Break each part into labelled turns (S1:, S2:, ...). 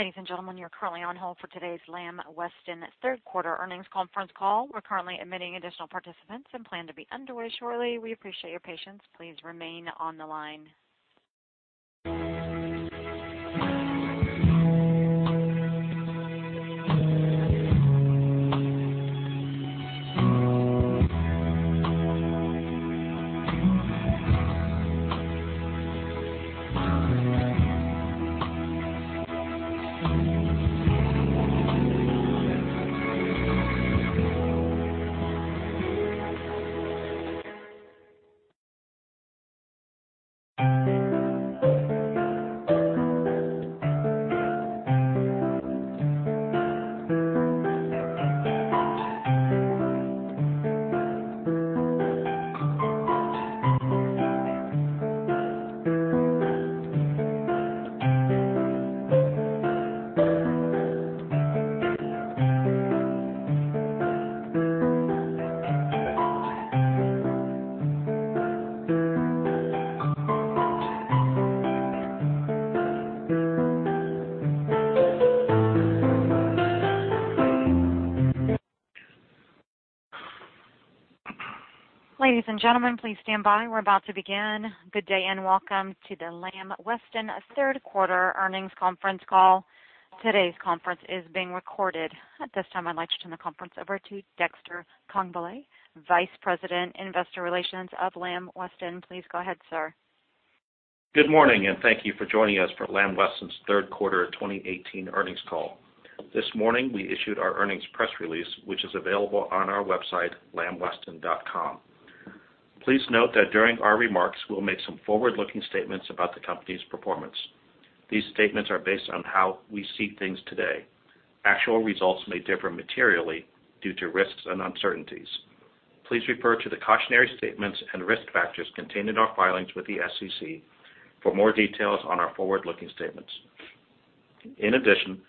S1: Ladies and gentlemen, you're currently on hold for today's Lamb Weston third quarter earnings conference call. We're currently admitting additional participants and plan to be underway shortly. We appreciate your patience. Please remain on the line. Ladies and gentlemen, please stand by. We're about to begin. Good day and welcome to the Lamb Weston third quarter earnings conference call. Today's conference is being recorded. At this time, I'd like to turn the conference over to Dexter Congbalay, Vice President, Investor Relations of Lamb Weston. Please go ahead, sir.
S2: Good morning. Thank you for joining us for Lamb Weston's third quarter 2018 earnings call. This morning, we issued our earnings press release, which is available on our website, lambweston.com. Please note that during our remarks, we'll make some forward-looking statements about the company's performance. These statements are based on how we see things today. Actual results may differ materially due to risks and uncertainties. Please refer to the cautionary statements and risk factors contained in our filings with the SEC for more details on our forward-looking statements. In addition,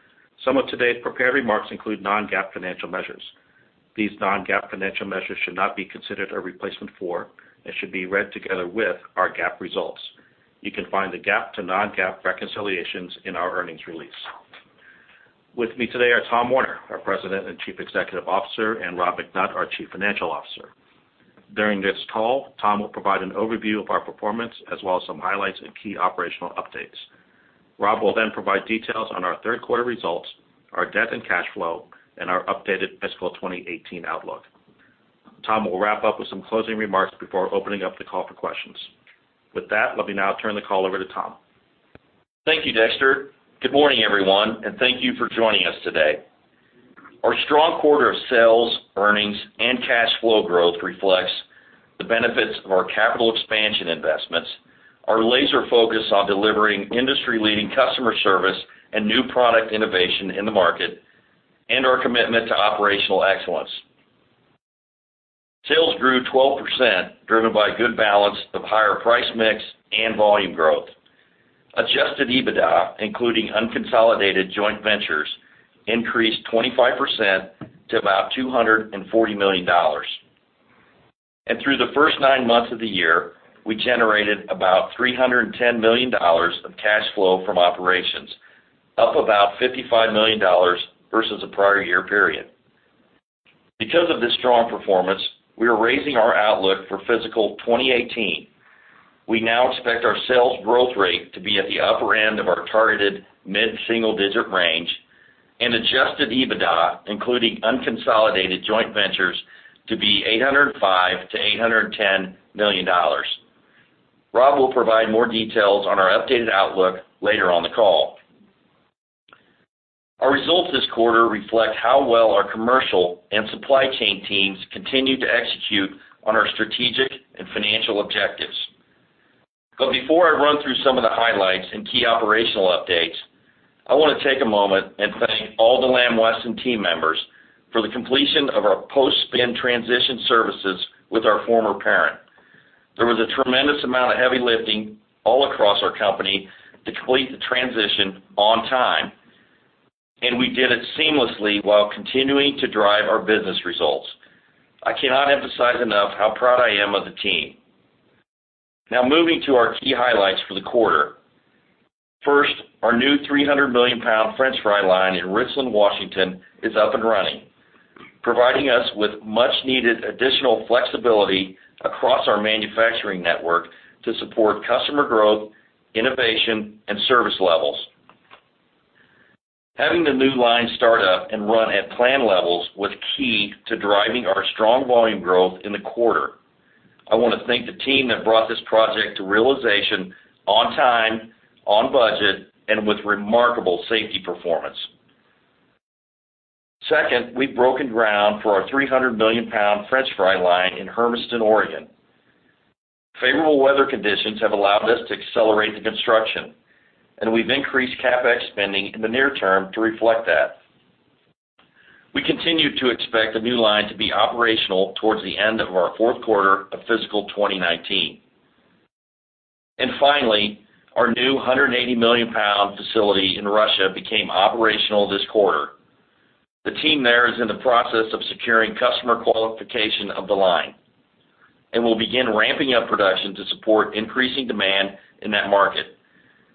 S2: some of today's prepared remarks include non-GAAP financial measures. These non-GAAP financial measures should not be considered a replacement for and should be read together with our GAAP results. You can find the GAAP to non-GAAP reconciliations in our earnings release. With me today are Tom Werner, our President and Chief Executive Officer, and Rob McNutt, our Chief Financial Officer. During this call, Tom will provide an overview of our performance as well as some highlights and key operational updates. Rob will provide details on our third quarter results, our debt and cash flow, and our updated fiscal 2018 outlook. Tom will wrap up with some closing remarks before opening up the call for questions. With that, let me now turn the call over to Tom.
S3: Thank you, Dexter. Good morning, everyone. Thank you for joining us today. Our strong quarter of sales, earnings, and cash flow growth reflects the benefits of our capital expansion investments, our laser focus on delivering industry-leading customer service and new product innovation in the market, and our commitment to operational excellence. Sales grew 12%, driven by a good balance of higher price mix and volume growth. Adjusted EBITDA, including unconsolidated joint ventures, increased 25% to about $240 million. Through the first nine months of the year, we generated about $310 million of cash flow from operations, up about $55 million versus the prior year period. Because of this strong performance, we are raising our outlook for fiscal 2018. We now expect our sales growth rate to be at the upper end of our targeted mid-single-digit range and adjusted EBITDA, including unconsolidated joint ventures, to be $805 million-$810 million. Rob will provide more details on our updated outlook later on the call. Our results this quarter reflect how well our commercial and supply chain teams continue to execute on our strategic and financial objectives. Before I run through some of the highlights and key operational updates, I want to take a moment and thank all the Lamb Weston team members for the completion of our post-spin transition services with our former parent. There was a tremendous amount of heavy lifting all across our company to complete the transition on time, and we did it seamlessly while continuing to drive our business results. I cannot emphasize enough how proud I am of the team. Moving to our key highlights for the quarter. First, our new 300-million pound french fry line in Richland, Washington, is up and running, providing us with much needed additional flexibility across our manufacturing network to support customer growth, innovation, and service levels. Having the new line start up and run at plan levels was key to driving our strong volume growth in the quarter. I want to thank the team that brought this project to realization on time, on budget, and with remarkable safety performance. Second, we've broken ground for our 300-million pound french fry line in Hermiston, Oregon. Favorable weather conditions have allowed us to accelerate the construction, and we've increased CapEx spending in the near term to reflect that. We continue to expect the new line to be operational towards the end of our fourth quarter of fiscal 2019. Finally, our new 180-million pound facility in Russia became operational this quarter. The team there is in the process of securing customer qualification of the line. We'll begin ramping up production to support increasing demand in that market.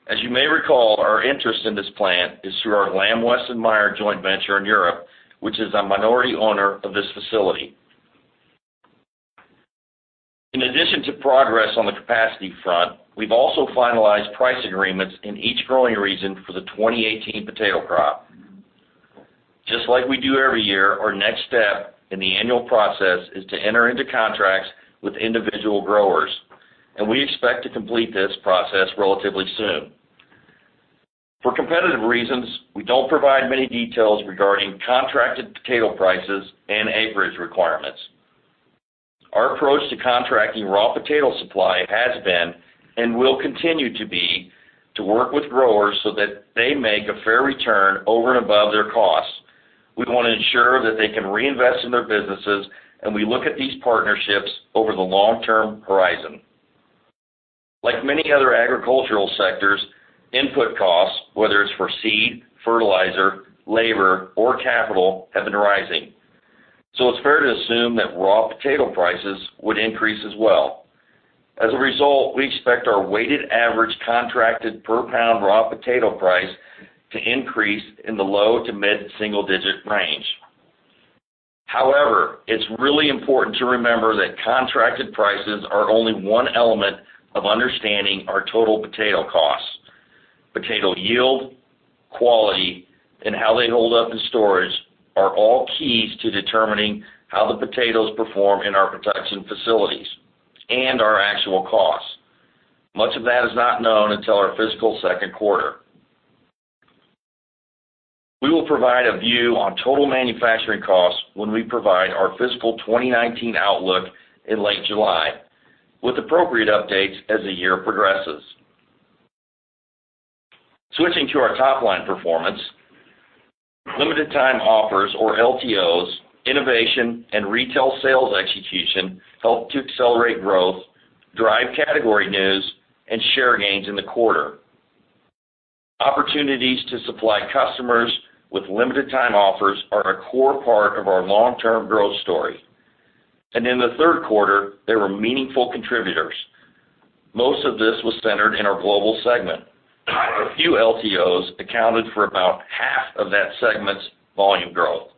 S3: As you may recall, our interest in this plant is through our Lamb-Weston/Meijer joint venture in Europe, which is a minority owner of this facility. In addition to progress on the capacity front, we've also finalized price agreements in each growing region for the 2018 potato crop. Just like we do every year, our next step in the annual process is to enter into contracts with individual growers, and we expect to complete this process relatively soon. For competitive reasons, we don't provide many details regarding contracted potato prices and acreage requirements. Our approach to contracting raw potato supply has been, and will continue to be, to work with growers so that they make a fair return over and above their costs. We want to ensure that they can reinvest in their businesses, and we look at these partnerships over the long-term horizon. Like many other agricultural sectors, input costs, whether it's for seed, fertilizer, labor, or capital, have been rising. It's fair to assume that raw potato prices would increase as well. As a result, we expect our weighted average contracted per pound raw potato price to increase in the low-to-mid single-digit range. However, it's really important to remember that contracted prices are only one element of understanding our total potato costs. Potato yield, quality, and how they hold up in storage are all keys to determining how the potatoes perform in our production facilities and our actual costs. Much of that is not known until our fiscal second quarter. We will provide a view on total manufacturing costs when we provide our fiscal 2019 outlook in late July, with appropriate updates as the year progresses. Switching to our top-line performance, limited time offers, or LTOs, innovation, and retail sales execution helped to accelerate growth, drive category news, and share gains in the quarter. Opportunities to supply customers with limited time offers are a core part of our long-term growth story. In the third quarter, they were meaningful contributors. Most of this was centered in our global segment. A few LTOs accounted for about half of that segment's volume growth.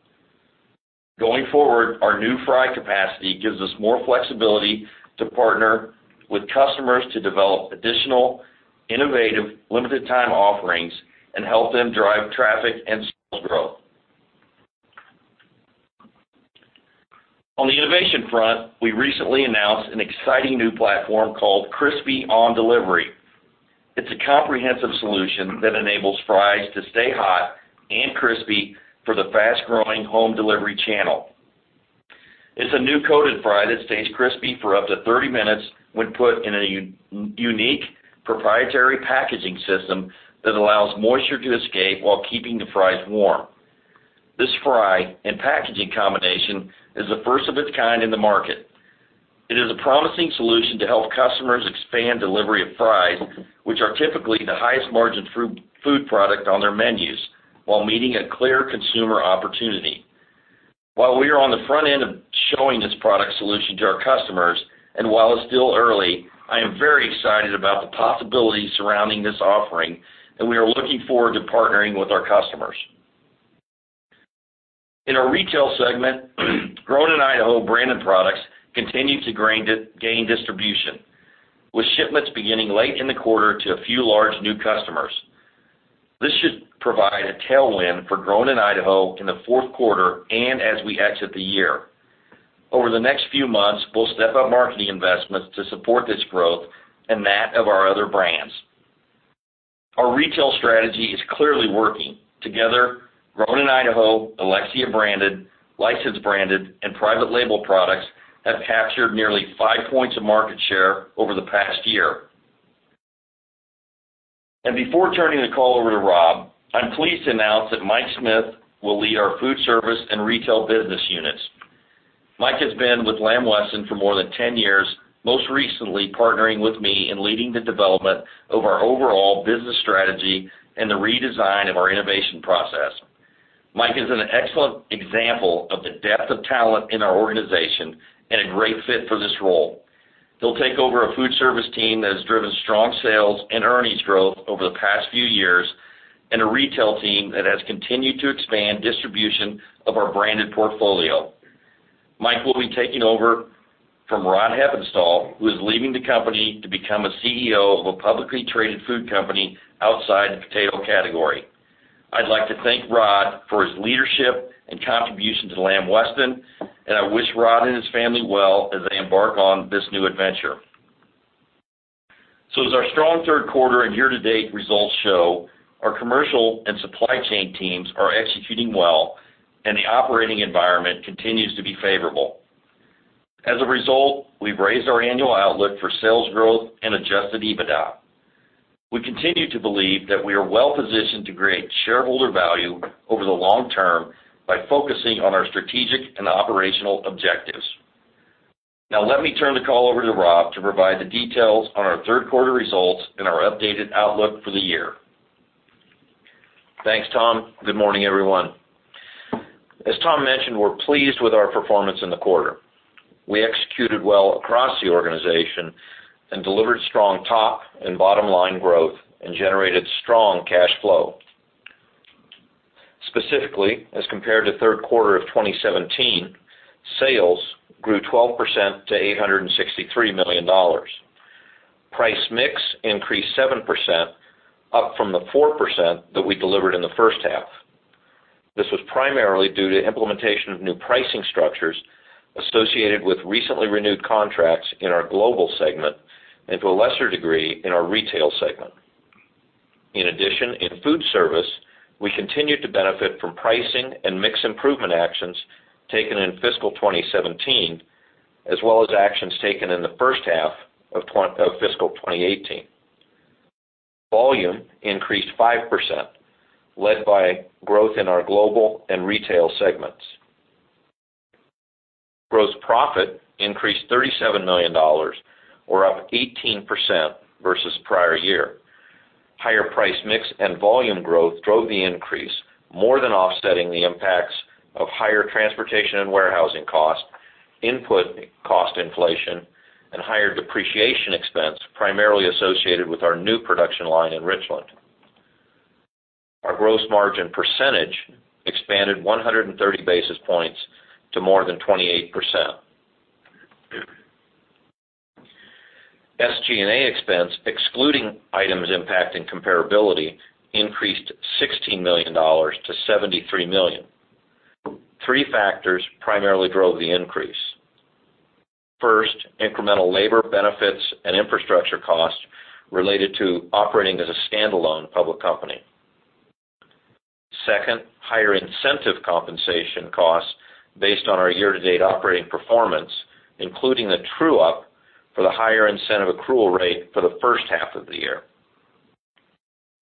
S3: Going forward, our new fry capacity gives us more flexibility to partner with customers to develop additional, innovative, limited time offerings and help them drive traffic and sales growth. On the innovation front, we recently announced an exciting new platform called Crispy on Delivery. It's a comprehensive solution that enables fries to stay hot and crispy for the fast-growing home delivery channel. It's a new coated fry that stays crispy for up to 30 minutes when put in a unique proprietary packaging system that allows moisture to escape while keeping the fries warm. This fry and packaging combination is the first of its kind in the market. It is a promising solution to help customers expand delivery of fries, which are typically the highest margin food product on their menus, while meeting a clear consumer opportunity. While we are on the front end of showing this product solution to our customers, and while it's still early, I am very excited about the possibilities surrounding this offering, and we are looking forward to partnering with our customers. In our retail segment, Grown in Idaho branded products continue to gain distribution, with shipments beginning late in the quarter to a few large new customers. This should provide a tailwind for Grown in Idaho in the fourth quarter and as we exit the year. Over the next few months, we'll step up marketing investments to support this growth and that of our other brands. Our retail strategy is clearly working. Together, Grown in Idaho, Alexia branded, licensed branded, and private label products have captured nearly five points of market share over the past year. Before turning the call over to Rob, I'm pleased to announce that Mike Smith will lead our food service and retail business units. Mike has been with Lamb Weston for more than 10 years, most recently partnering with me in leading the development of our overall business strategy and the redesign of our innovation process. Mike is an excellent example of the depth of talent in our organization and a great fit for this role. He'll take over a food service team that has driven strong sales and earnings growth over the past few years, and a retail team that has continued to expand distribution of our branded portfolio. Mike will be taking over from Rod Hepponstall, who is leaving the company to become a CEO of a publicly traded food company outside the potato category. I'd like to thank Rod Hepponstall for his leadership and contribution to Lamb Weston. I wish Rod Hepponstall and his family well as they embark on this new adventure. As our strong third quarter and year-to-date results show, our commercial and supply chain teams are executing well, and the operating environment continues to be favorable. As a result, we've raised our annual outlook for sales growth and adjusted EBITDA. We continue to believe that we are well-positioned to create shareholder value over the long term by focusing on our strategic and operational objectives. Now let me turn the call over to Rob McNutt to provide the details on our third quarter results and our updated outlook for the year.
S4: Thanks, Tom Werner. Good morning, everyone. As Tom Werner mentioned, we're pleased with our performance in the quarter. We executed well across the organization and delivered strong top and bottom-line growth and generated strong cash flow. Specifically, as compared to third quarter of 2017, sales grew 12% to $863 million. Price mix increased 7%, up from the 4% that we delivered in the first half. This was primarily due to implementation of new pricing structures associated with recently renewed contracts in our Global segment, and to a lesser degree, in our Retail segment. In addition, in Foodservice, we continued to benefit from pricing and mix improvement actions taken in fiscal 2017, as well as actions taken in the first half of fiscal 2018. Volume increased 5%, led by growth in our Global and Retail segments. Gross profit increased $37 million, or up 18% versus prior year. Higher price mix and volume growth drove the increase, more than offsetting the impacts of higher transportation and warehousing costs, input cost inflation, and higher depreciation expense, primarily associated with our new production line in Richland. Our gross margin percentage expanded 130 basis points to more than 28%. SG&A expense, excluding items impacting comparability, increased $16 million to $73 million. Three factors primarily drove the increase. First, incremental labor benefits and infrastructure costs related to operating as a standalone public company. Second, higher incentive compensation costs based on our year-to-date operating performance, including the true-up for the higher incentive accrual rate for the first half of the year.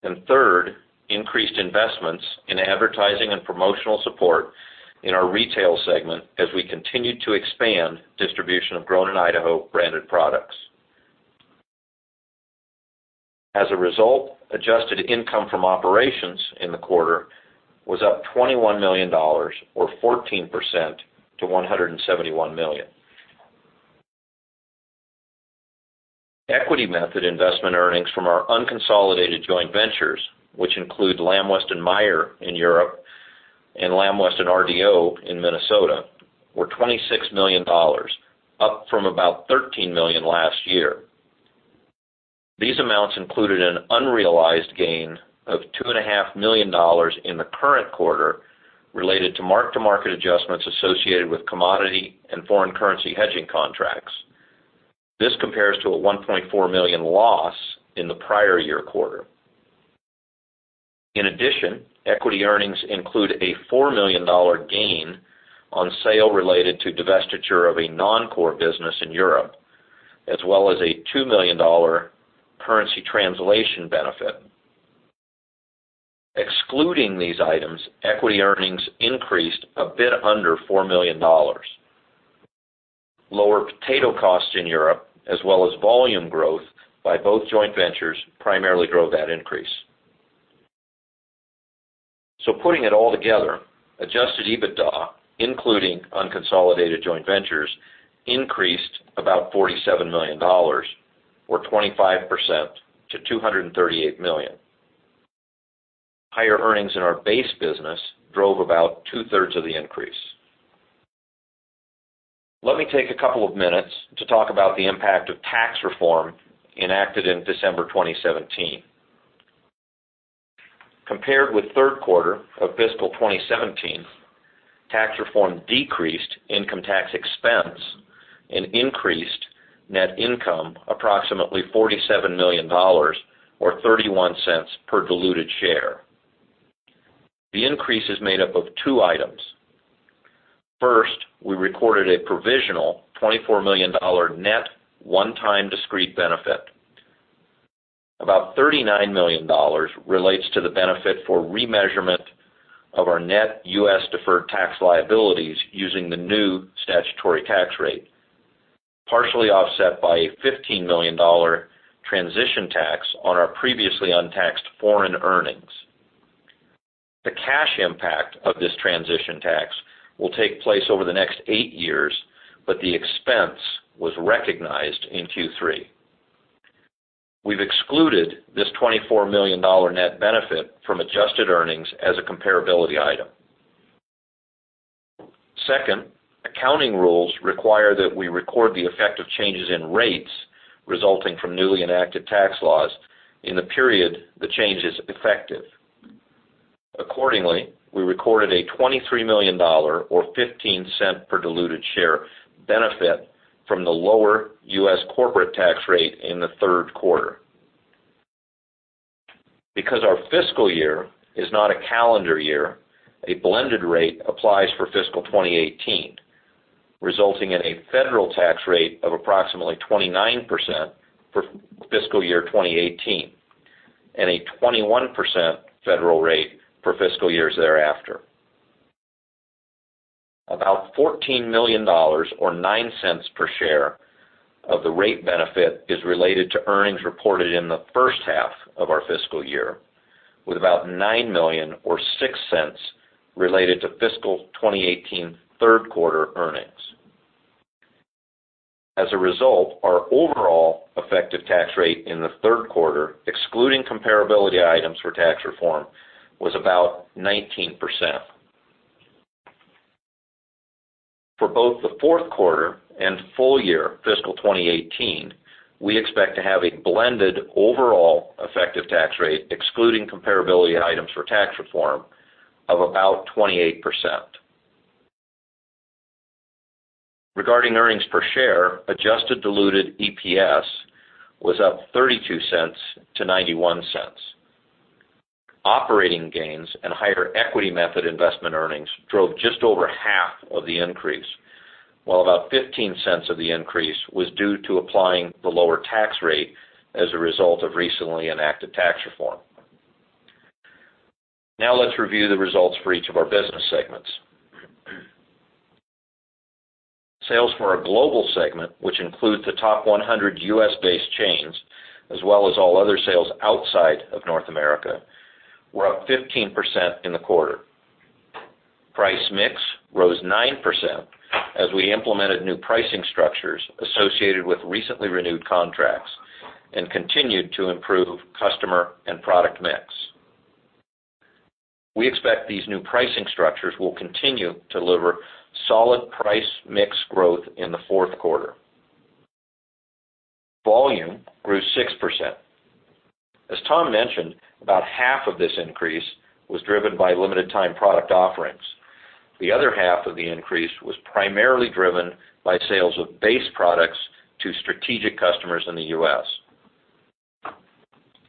S4: And third, increased investments in advertising and promotional support in our Retail segment as we continued to expand distribution of Grown in Idaho branded products. As a result, adjusted income from operations in the quarter was up $21 million or 14% to $171 million. Equity method investment earnings from our unconsolidated joint ventures, which include Lamb-Weston/Meijer in Europe and Lamb Weston/RDO Frozen in Minnesota, were $26 million, up from about $13 million last year. These amounts included an unrealized gain of $2.5 million in the current quarter related to mark-to-market adjustments associated with commodity and foreign currency hedging contracts. This compares to a $1.4 million loss in the prior year quarter. In addition, equity earnings include a $4 million gain on sale related to divestiture of a non-core business in Europe, as well as a $2 million currency translation benefit. Excluding these items, equity earnings increased a bit under $4 million. Lower potato costs in Europe, as well as volume growth by both joint ventures primarily drove that increase. Putting it all together, adjusted EBITDA, including unconsolidated joint ventures, increased about $47 million or 25% to $238 million. Higher earnings in our base business drove about two-thirds of the increase. Let me take a couple of minutes to talk about the impact of tax reform enacted in December 2017. Compared with third quarter of fiscal 2017, tax reform decreased income tax expense and increased net income approximately $47 million or $0.31 per diluted share. The increase is made up of two items. First, we recorded a provisional $24 million net one-time discrete benefit. About $39 million relates to the benefit for remeasurement of our net U.S. deferred tax liabilities using the new statutory tax rate, partially offset by a $15 million transition tax on our previously untaxed foreign earnings. The cash impact of this transition tax will take place over the next eight years, but the expense was recognized in Q3. We've excluded this $24 million net benefit from adjusted earnings as a comparability item. Second, accounting rules require that we record the effect of changes in rates resulting from newly enacted tax laws in the period the change is effective. Accordingly, we recorded a $23 million or $0.15 per diluted share benefit from the lower U.S. corporate tax rate in the third quarter. Because our fiscal year is not a calendar year, a blended rate applies for fiscal 2018, resulting in a federal tax rate of approximately 29% for fiscal year 2018, and a 21% federal rate for fiscal years thereafter. About $14 million, or $0.09 per share of the rate benefit is related to earnings reported in the first half of our fiscal year, with about $9 million or $0.06 related to fiscal 2018 third-quarter earnings. As a result, our overall effective tax rate in the third quarter, excluding comparability items for tax reform, was about 19%. For both the fourth quarter and full year fiscal 2018, we expect to have a blended overall effective tax rate, excluding comparability items for tax reform, of about 28%. Regarding earnings per share, adjusted diluted EPS was up $0.32 to $0.91. Operating gains and higher equity method investment earnings drove just over half of the increase, while about $0.15 of the increase was due to applying the lower tax rate as a result of recently enacted tax reform. Let's review the results for each of our business segments. Sales for our Global segment, which includes the top 100 U.S.-based chains, as well as all other sales outside of North America, were up 15% in the quarter. Price mix rose 9% as we implemented new pricing structures associated with recently renewed contracts and continued to improve customer and product mix. We expect these new pricing structures will continue to deliver solid price mix growth in the fourth quarter. Volume grew 6%. As Tom mentioned, about half of this increase was driven by limited time product offerings. The other half of the increase was primarily driven by sales of base products to strategic customers in the U.S.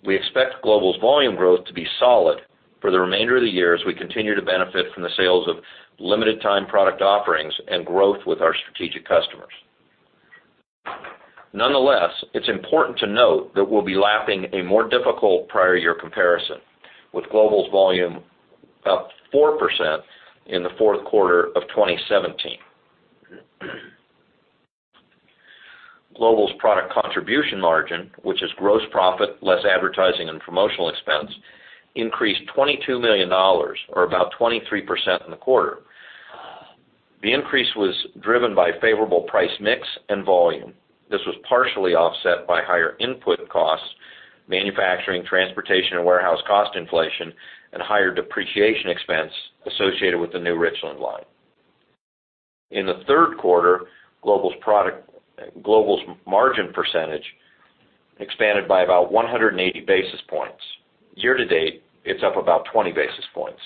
S4: We expect Global volume growth to be solid for the remainder of the year as we continue to benefit from the sales of limited time product offerings and growth with our strategic customers. Nonetheless, it is important to note that we will be lapping a more difficult prior year comparison, with Global volume up 4% in the fourth quarter of 2017. Global's product contribution margin, which is gross profit less advertising and promotional expense, increased $22 million or about 23% in the quarter. The increase was driven by favorable price mix and volume. This was partially offset by higher input costs, manufacturing, transportation, and warehouse cost inflation, and higher depreciation expense associated with the new Richland line. In the third quarter, Global's margin percentage expanded by about 180 basis points. Year to date, it is up about 20 basis points.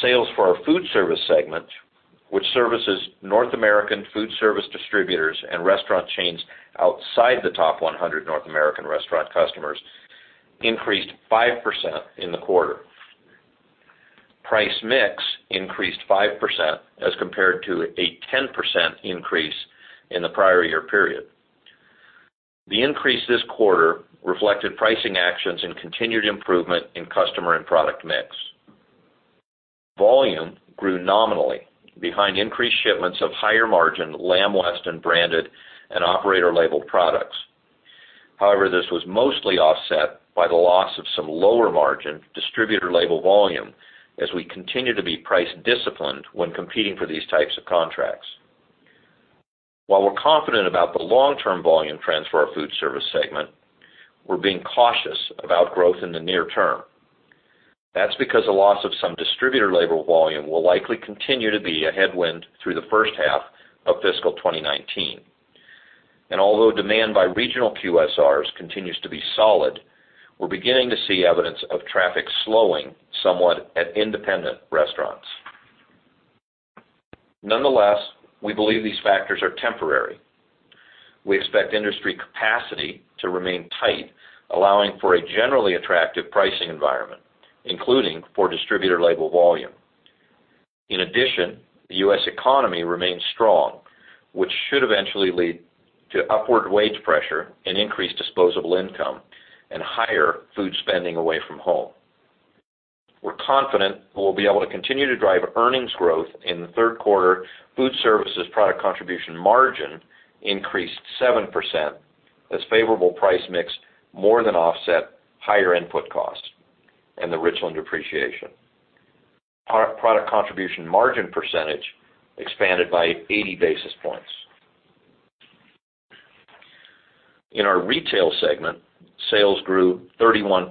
S4: Sales for our Foodservice segment, which services North American Foodservice distributors and restaurant chains outside the top 100 North American restaurant customers, increased 5% in the quarter. Price mix increased 5% as compared to a 10% increase in the prior year period. The increase this quarter reflected pricing actions and continued improvement in customer and product mix. Volume grew nominally behind increased shipments of higher-margin Lamb Weston branded and operator-labeled products. This was mostly offset by the loss of some lower-margin distributor label volume as we continue to be price disciplined when competing for these types of contracts. While we are confident about the long-term volume trends for our Foodservice segment, we are being cautious about growth in the near term. That is because the loss of some distributor label volume will likely continue to be a headwind through the first half of fiscal 2019. Although demand by regional QSRs continues to be solid, we are beginning to see evidence of traffic slowing somewhat at independent restaurants. Nonetheless, we believe these factors are temporary. We expect industry capacity to remain tight, allowing for a generally attractive pricing environment, including for distributor label volume. The U.S. economy remains strong, which should eventually lead to upward wage pressure and increased disposable income and higher food spending away from home. We are confident we will be able to continue to drive earnings growth. In the third quarter, Foodservice's product contribution margin increased 7% as favorable price mix more than offset higher input costs and the Richland depreciation. Product contribution margin percentage expanded by 80 basis points. In our Retail segment, sales grew 31%.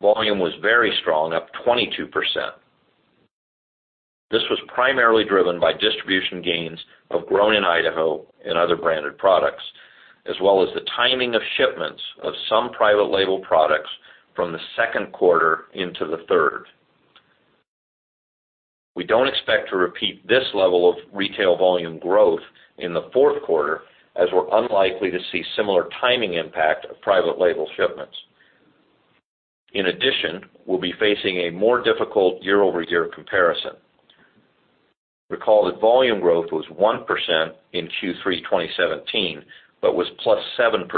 S4: Volume was very strong, up 22%. This was primarily driven by distribution gains of Grown in Idaho and other branded products, as well as the timing of shipments of some private label products from the second quarter into the third. We do not expect to repeat this level of Retail volume growth in the fourth quarter, as we are unlikely to see similar timing impact of private label shipments. We will be facing a more difficult year-over-year comparison. Recall that volume growth was 1% in Q3 2017, but was plus 7%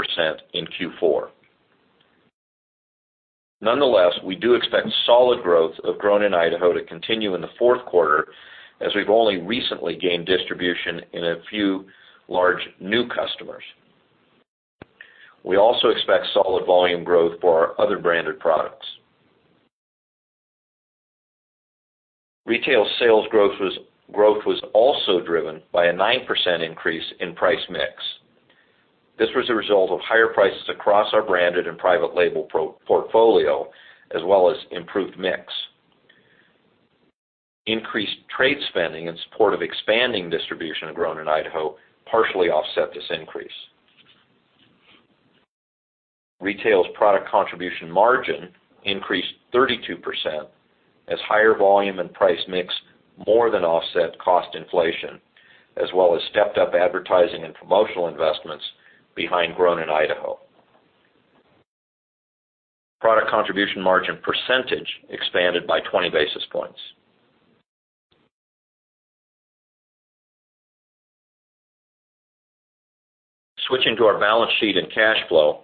S4: in Q4. Nonetheless, we do expect solid growth of Grown in Idaho to continue in the fourth quarter, as we have only recently gained distribution in a few large new customers. We also expect solid volume growth for our other branded products. Retail sales growth was also driven by a 9% increase in price mix. This was a result of higher prices across our branded and private label portfolio, as well as improved mix. Increased trade spending in support of expanding distribution of Grown in Idaho partially offset this increase. Retail's product contribution margin increased 32%, as higher volume and price mix more than offset cost inflation, as well as stepped up advertising and promotional investments behind Grown in Idaho. Product contribution margin percentage expanded by 20 basis points. Switching to our balance sheet and cash flow,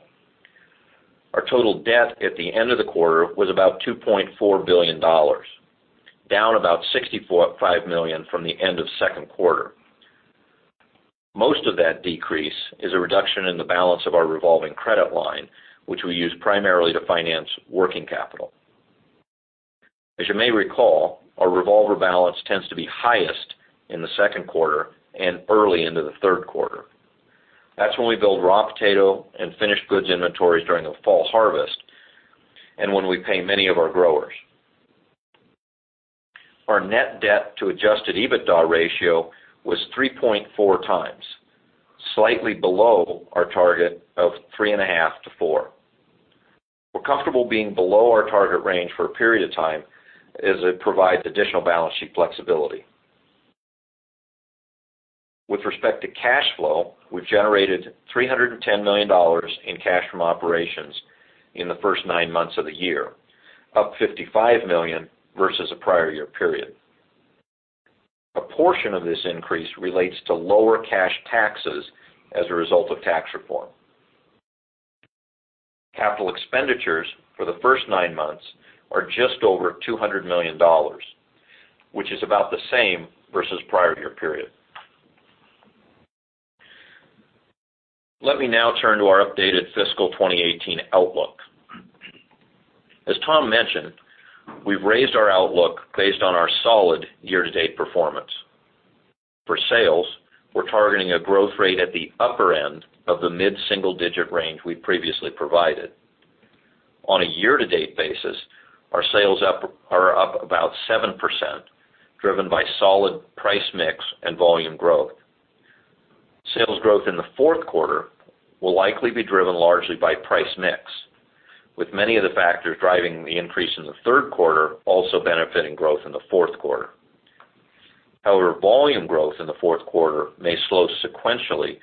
S4: our total debt at the end of the quarter was about $2.4 billion, down about $65 million from the end of second quarter. Most of that decrease is a reduction in the balance of our revolving credit line, which we use primarily to finance working capital. As you may recall, our revolver balance tends to be highest in the second quarter and early into the third quarter. That's when we build raw potato and finished goods inventories during the fall harvest, and when we pay many of our growers. Our net debt to adjusted EBITDA ratio was 3.4 times, slightly below our target of 3.5 to 4. We're comfortable being below our target range for a period of time, as it provides additional balance sheet flexibility. With respect to cash flow, we've generated $310 million in cash from operations in the first nine months of the year, up $55 million versus the prior year period. A portion of this increase relates to lower cash taxes as a result of tax reform. Capital expenditures for the first nine months are just over $200 million, which is about the same versus prior year period. Let me now turn to our updated fiscal 2018 outlook. As Tom mentioned, we've raised our outlook based on our solid year-to-date performance. For sales, we're targeting a growth rate at the upper end of the mid-single digit range we previously provided. On a year-to-date basis, our sales are up about 7%, driven by solid price mix and volume growth. Sales growth in the fourth quarter will likely be driven largely by price mix, with many of the factors driving the increase in the third quarter also benefiting growth in the fourth quarter. However, volume growth in the fourth quarter may slow sequentially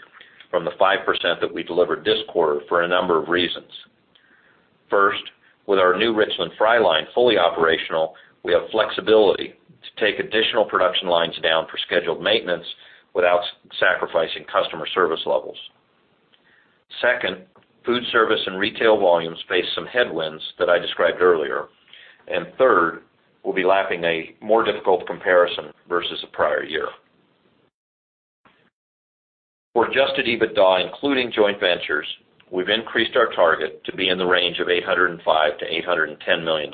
S4: from the 5% that we delivered this quarter for a number of reasons. First, with our new Richland fry line fully operational, we have flexibility to take additional production lines down for scheduled maintenance without sacrificing customer service levels. Second, Foodservice and retail volumes face some headwinds that I described earlier. Third, we'll be lapping a more difficult comparison versus the prior year. For adjusted EBITDA, including joint ventures, we've increased our target to be in the range of $805 million-$810 million,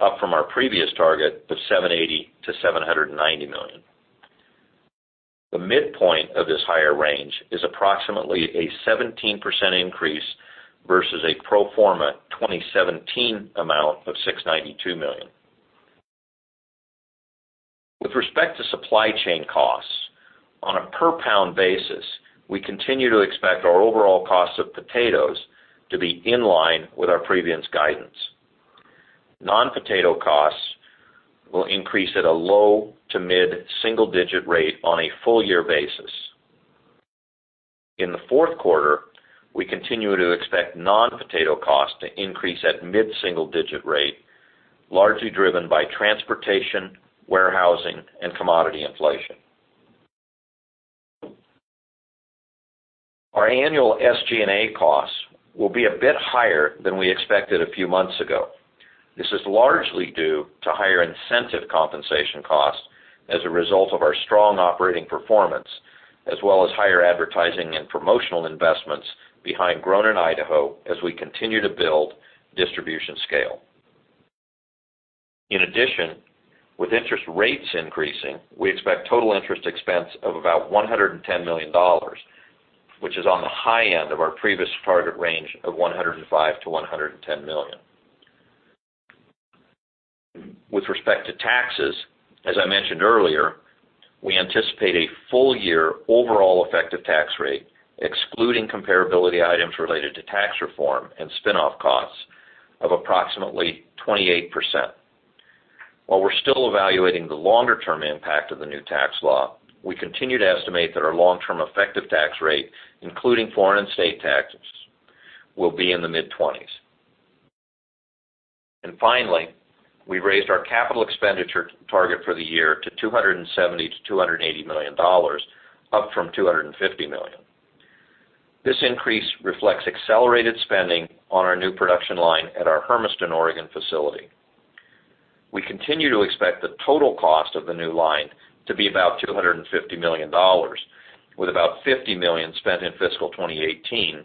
S4: up from our previous target of $780 million-$790 million. The midpoint of this higher range is approximately a 17% increase versus a pro forma 2017 amount of $692 million. With respect to supply chain costs, on a per pound basis, we continue to expect our overall cost of potatoes to be in line with our previous guidance. Non-potato costs will increase at a low to mid-single digit rate on a full year basis. In the fourth quarter, we continue to expect non-potato costs to increase at mid-single digit rate, largely driven by transportation, warehousing, and commodity inflation. Our annual SG&A costs will be a bit higher than we expected a few months ago. This is largely due to higher incentive compensation costs as a result of our strong operating performance, as well as higher advertising and promotional investments behind Grown in Idaho as we continue to build distribution scale. With interest rates increasing, we expect total interest expense of about $110 million, which is on the high end of our previous target range of $105 million-$110 million. With respect to taxes, as I mentioned earlier, we anticipate a full year overall effective tax rate, excluding comparability items related to tax reform and spinoff costs, of approximately 28%. While we're still evaluating the longer term impact of the new tax law, we continue to estimate that our long term effective tax rate, including foreign and state taxes, will be in the mid-20s. Finally, we raised our capital expenditure target for the year to $270 million-$280 million, up from $250 million. This increase reflects accelerated spending on our new production line at our Hermiston, Oregon facility. We continue to expect the total cost of the new line to be about $250 million, with about $50 million spent in fiscal 2018,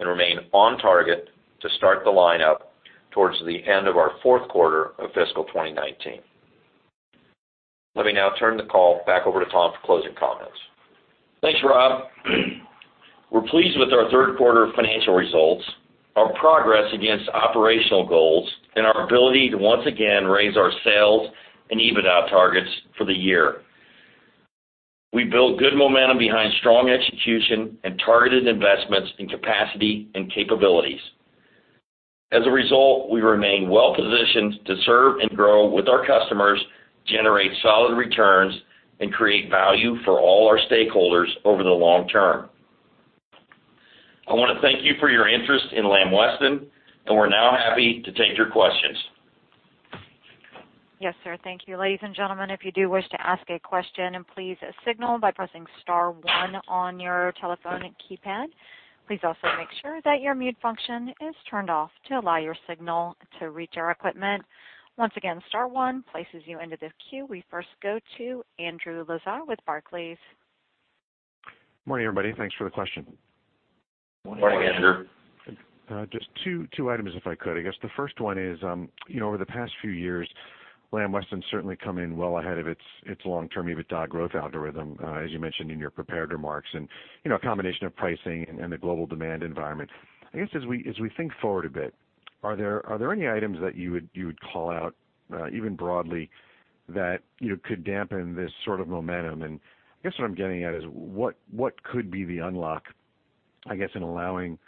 S4: and remain on target to start the line up towards the end of our fourth quarter of fiscal 2019. Let me now turn the call back over to Tom for closing comments.
S3: Thanks, Rob. We're pleased with our third quarter financial results, our progress against operational goals, and our ability to once again raise our sales and EBITDA targets for the year. We built good momentum behind strong execution and targeted investments in capacity and capabilities. As a result, we remain well-positioned to serve and grow with our customers, generate solid returns, and create value for all our stakeholders over the long term. I want to thank you for your interest in Lamb Weston, we're now happy to take your questions.
S1: Yes, sir. Thank you. Ladies and gentlemen, if you do wish to ask a question, please signal by pressing star one on your telephone keypad. Please also make sure that your mute function is turned off to allow your signal to reach our equipment. Once again, star one places you into the queue. We first go to Andrew Lazar with Barclays.
S5: Morning, everybody. Thanks for the question.
S3: Morning, Andrew.
S5: Just two items if I could. I guess the first one is, over the past few years, Lamb Weston's certainly come in well ahead of its long-term EBITDA growth algorithm, as you mentioned in your prepared remarks, and a combination of pricing and the global demand environment. I guess what I'm getting at is what could be the unlock, I guess, in allowing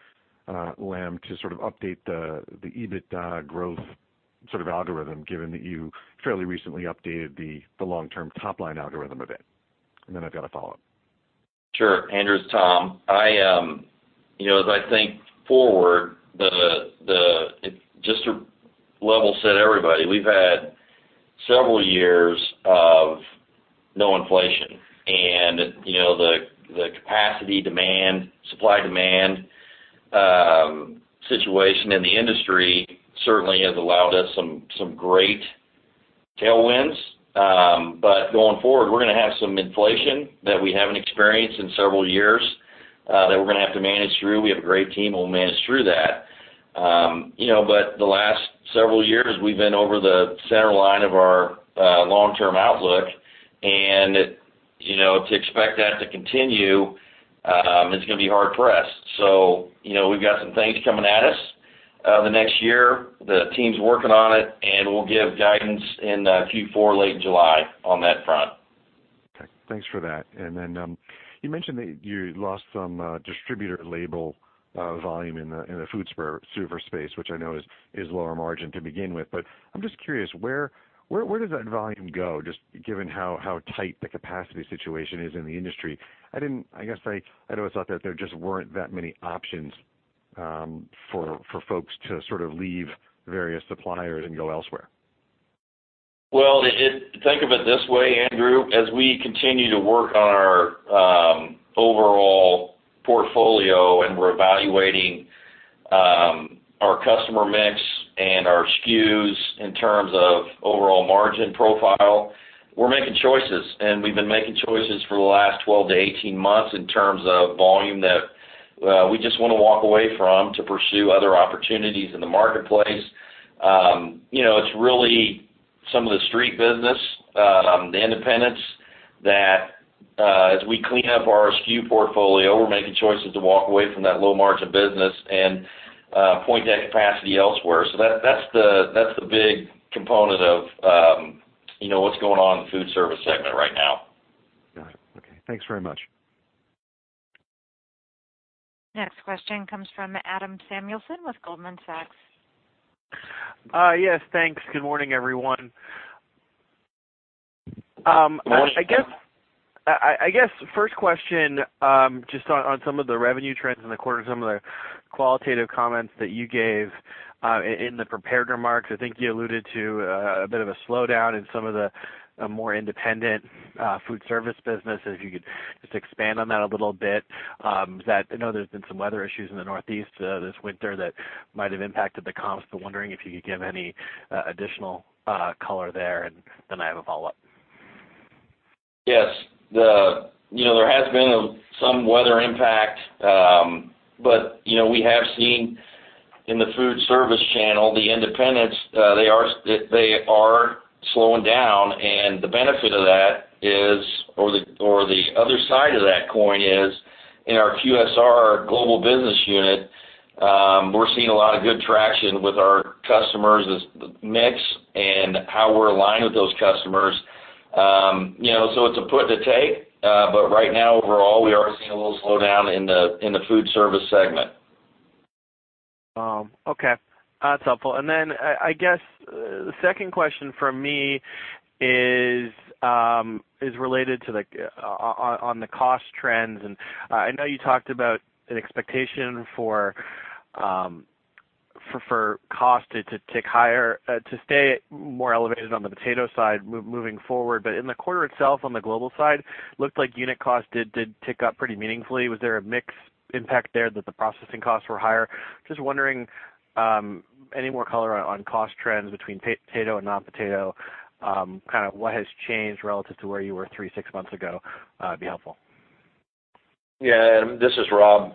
S5: Lamb to sort of update the EBITDA growth sort of algorithm, given that you fairly recently updated the long-term top-line algorithm a bit? Then I've got a follow-up.
S3: Sure. Andrew, it's Tom. As I think forward, just to level set everybody, we've had several years of no inflation. The capacity demand, supply-demand situation in the industry certainly has allowed us some great tailwinds. Going forward, we're going to have some inflation that we haven't experienced in several years, that we're going to have to manage through. We have a great team who will manage through that. The last several years, we've been over the center line of our long-term outlook. To expect that to continue is going to be hard-pressed. We've got some things coming at us the next year. The team's working on it, and we'll give guidance in Q4, late July, on that front.
S5: Okay. Thanks for that. Then you mentioned that you lost some distributor label volume in the [food super space], which I know is lower margin to begin with. I'm just curious, where does that volume go? Just given how tight the capacity situation is in the industry. I guess I always thought that there just weren't that many options for folks to sort of leave various suppliers and go elsewhere.
S3: Well, think of it this way, Andrew. As we continue to work on our overall portfolio and we're evaluating our customer mix and our SKUs in terms of overall margin profile, we're making choices. We've been making choices for the last 12 to 18 months in terms of volume that we just want to walk away from to pursue other opportunities in the marketplace. It's really some of the street business, the independents, that as we clean up our SKU portfolio, we're making choices to walk away from that low margin business and point that capacity elsewhere. That's the big component of what's going on in the food service segment right now.
S5: Got it. Okay. Thanks very much.
S1: Next question comes from Adam Samuelson with Goldman Sachs.
S6: Yes, thanks. Good morning, everyone.
S3: Morning.
S6: I guess first question, just on some of the revenue trends in the quarter and some of the qualitative comments that you gave in the prepared remarks. I think you alluded to a bit of a slowdown in some of the more independent Foodservice business. If you could just expand on that a little bit. I know there's been some weather issues in the Northeast this winter that might have impacted the comps. I'm wondering if you could give any additional color there, then I have a follow-up.
S3: Yes. There has been some weather impact. We have seen in the Foodservice channel, the independents, they are slowing down. The benefit of that is, or the other side of that coin is in our QSR global business unit, we're seeing a lot of good traction with our customers mix and how we're aligned with those customers. It's a put to take. Right now, overall, we are seeing a little slowdown in the Foodservice segment.
S6: Okay. That's helpful. I guess The second question from me is related to the cost trends. I know you talked about an expectation for cost to tick higher, to stay more elevated on the potato side moving forward. In the quarter itself, on the global side, looked like unit cost did tick up pretty meaningfully. Was there a mix impact there that the processing costs were higher? Just wondering, any more color on cost trends between potato and non-potato, what has changed relative to where you were three, six months ago, would be helpful.
S4: Yeah. This is Rob.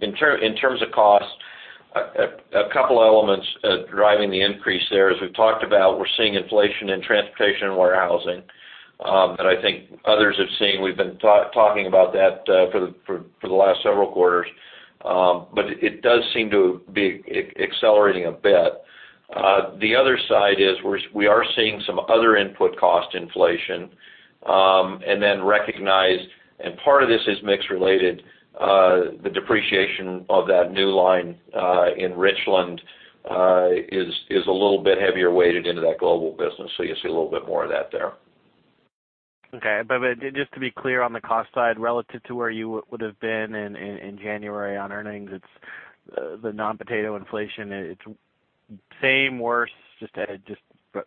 S4: In terms of cost, a couple elements driving the increase there. As we've talked about, we're seeing inflation in transportation and warehousing, that I think others have seen. We've been talking about that for the last several quarters. It does seem to be accelerating a bit. The other side is we are seeing some other input cost inflation. Recognize, and part of this is mix related, the depreciation of that new line in Richland is a little bit heavier weighted into that global business. You see a little bit more of that there.
S6: Okay. Just to be clear on the cost side, relative to where you would've been in January on earnings, the non-potato inflation, it's same, worse? Just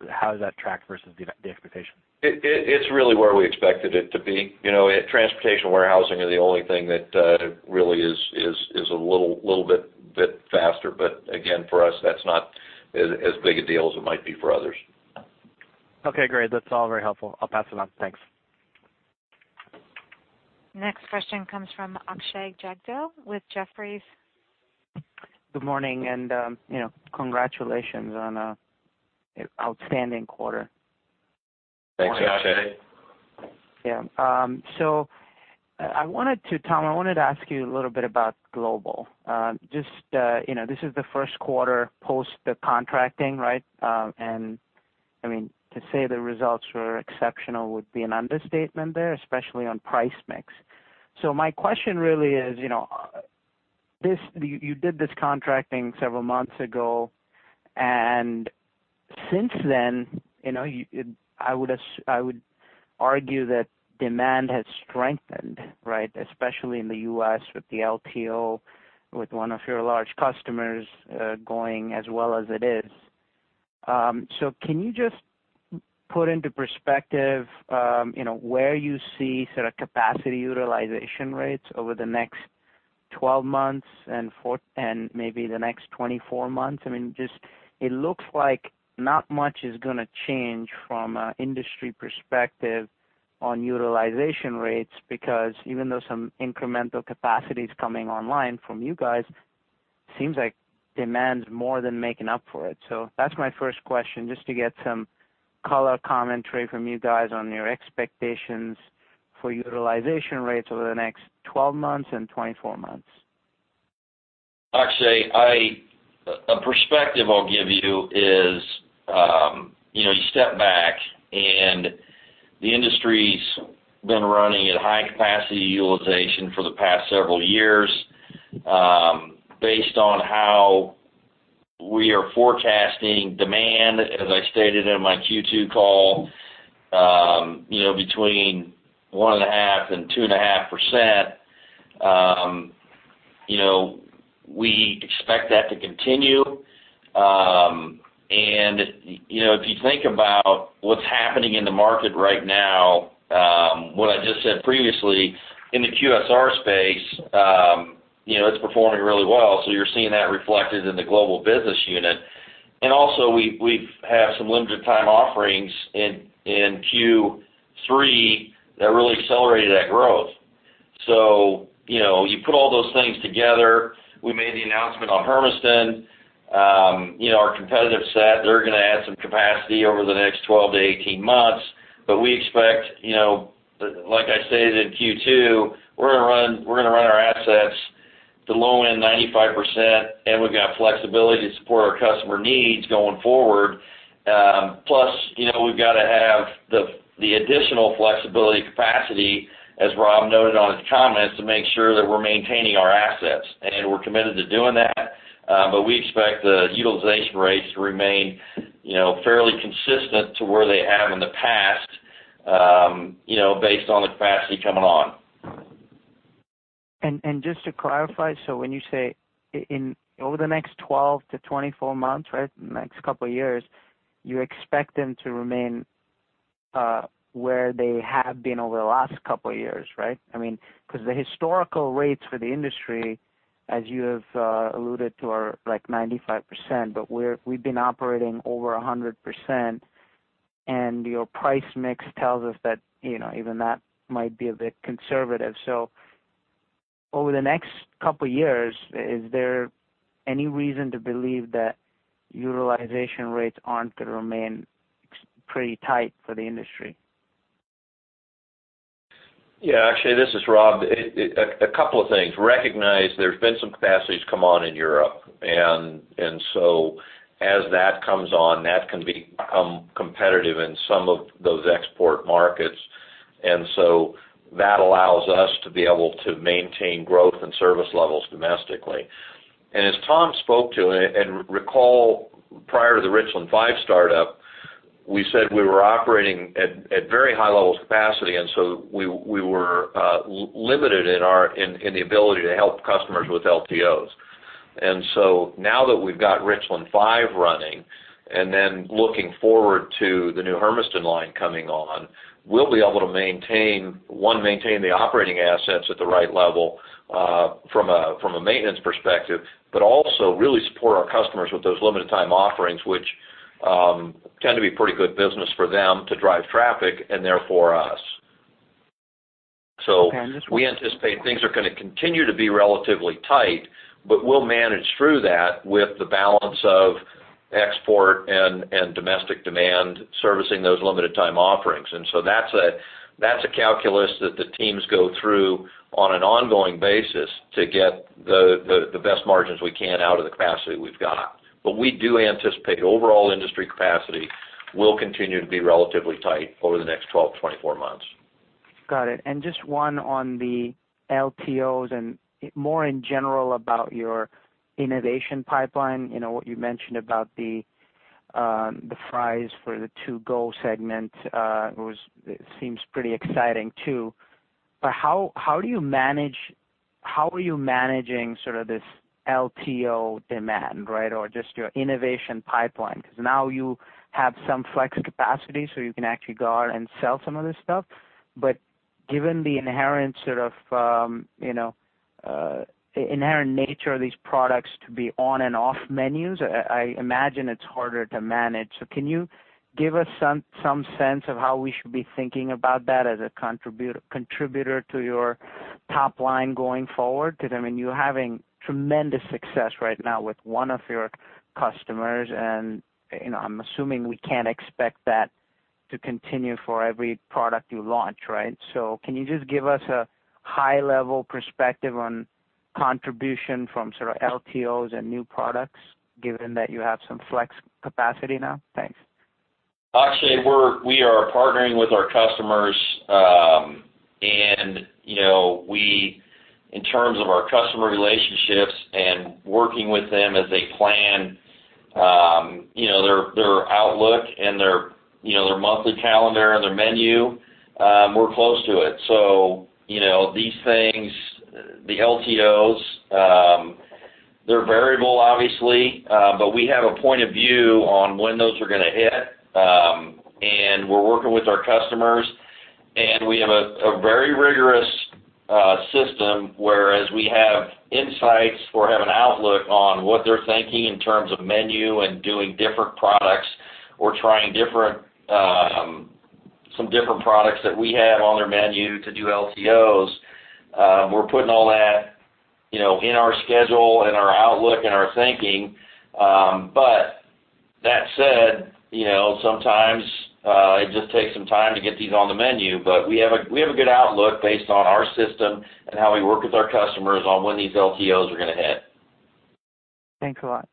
S6: how does that track versus the expectation?
S4: It's really where we expected it to be. Transportation and warehousing are the only thing that really is a little bit faster. Again, for us, that's not as big a deal as it might be for others.
S6: Okay, great. That's all very helpful. I'll pass it on. Thanks.
S1: Next question comes from Akshay Jagdale with Jefferies.
S7: Good morning, congratulations on a outstanding quarter.
S4: Thanks, Akshay.
S3: Morning, Akshay.
S7: Yeah. Tom Werner, I wanted to ask you a little bit about global. This is the first quarter post the contracting, right? To say the results were exceptional would be an understatement there, especially on price mix. My question really is, you did this contracting several months ago, and since then, I would argue that demand has strengthened, right? Especially in the U.S. with the LTO, with one of your large customers going as well as it is. Can you just put into perspective where you see capacity utilization rates over the next 12 months and maybe the next 24 months? It looks like not much is going to change from an industry perspective on utilization rates because even though some incremental capacity is coming online from you guys, seems like demand is more than making up for it. That's my first question, just to get some color commentary from you guys on your expectations for utilization rates over the next 12 months and 24 months.
S3: Akshay Jagdale, a perspective I'll give you is, you step back, the industry has been running at high capacity utilization for the past several years. Based on how we are forecasting demand, as I stated in my Q2 call, between 1.5%-2.5%, we expect that to continue. If you think about what is happening in the market right now, what I just said previously, in the QSR space, it is performing really well, so you are seeing that reflected in the global business unit. Also we have had some limited time offerings in Q3 that really accelerated that growth. You put all those things together. We made the announcement on Hermiston. Our competitive set, they are going to add some capacity over the next 12 to 18 months. We expect, like I stated in Q2, we are going to run our assets the low end 95%, and we have got flexibility to support our customer needs going forward. Plus, we have got to have the additional flexibility capacity, as Rob McNutt noted on his comments, to make sure that we are maintaining our assets. We are committed to doing that. We expect the utilization rates to remain fairly consistent to where they have in the past based on the capacity coming on.
S7: Just to clarify, when you say over the next 12-24 months, right, the next couple of years, you expect them to remain where they have been over the last couple of years, right? Because the historical rates for the industry, as you have alluded to, are like 95%, but we've been operating over 100%, and your price mix tells us that even that might be a bit conservative. Over the next couple of years, is there any reason to believe that utilization rates aren't going to remain pretty tight for the industry?
S4: Yeah. Akshay, this is Rob. A couple of things. Recognize there have been some capacities come on in Europe. As that comes on, that can become competitive in some of those export markets. That allows us to be able to maintain growth and service levels domestically. As Tom spoke to, and recall prior to the Richland 5 startup, we said we were operating at very high levels of capacity, and so we were limited in the ability to help customers with LTOs. Now that we've got Richland 5 running, and then looking forward to the new Hermiston line coming on, we'll be able to, one, maintain the operating assets at the right level from a maintenance perspective, but also really support our customers with those limited time offerings, which tend to be pretty good business for them to drive traffic, and therefore us. Okay. We anticipate things are going to continue to be relatively tight, but we'll manage through that with the balance of export and domestic demand servicing those limited time offerings. That's a calculus that the teams go through on an ongoing basis to get the best margins we can out of the capacity we've got. We do anticipate overall industry capacity will continue to be relatively tight over the next 12-24 months.
S7: Got it. Just one on the LTOs and more in general about your innovation pipeline, what you mentioned about the fries for the To Go segment, it seems pretty exciting too. How are you managing sort of this LTO demand or just your innovation pipeline? Now you have some flex capacity, you can actually go out and sell some of this stuff. Given the inherent nature of these products to be on and off menus, I imagine it's harder to manage. Can you give us some sense of how we should be thinking about that as a contributor to your top line going forward? I mean, you're having tremendous success right now with one of your customers, I'm assuming we can't expect that to continue for every product you launch, right? Can you just give us a high-level perspective on contribution from sort of LTOs and new products, given that you have some flex capacity now? Thanks.
S3: Akshay, we are partnering with our customers. In terms of our customer relationships and working with them as they plan their outlook and their monthly calendar and their menu, we're close to it. These things, the LTOs, they're variable, obviously, but we have a point of view on when those are going to hit. We're working with our customers, and we have a very rigorous system, whereas we have insights or have an outlook on what they're thinking in terms of menu and doing different products or trying some different products that we have on their menu to do LTOs. We're putting all that in our schedule and our outlook and our thinking. That said, sometimes it just takes some time to get these on the menu. We have a good outlook based on our system and how we work with our customers on when these LTOs are going to hit.
S7: Thanks a lot.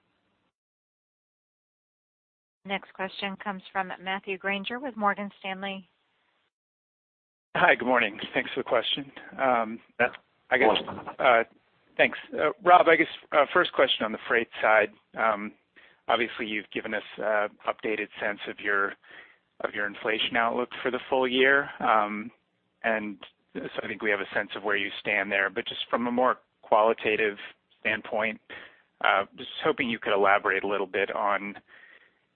S1: Next question comes from Matthew Grainger with Morgan Stanley.
S8: Hi. Good morning. Thanks for the question.
S3: Morning.
S8: Thanks. Rob, I guess, first question on the freight side. Obviously, you've given us an updated sense of your inflation outlook for the full year. I think we have a sense of where you stand there. Just from a more qualitative standpoint, just hoping you could elaborate a little bit on